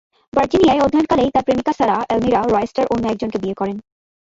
ভার্জিনিয়ায় অধ্যয়নকালেই তার প্রেমিকা সারাহ এলমিরা রয়েস্টার অন্য একজনকে বিয়ে করেন।